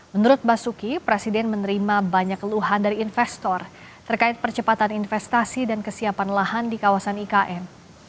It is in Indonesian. menurut basuki presiden menerima banyak keluhan dari investor terkait percepatan investasi dan kesiapan lahan di kawasan ikn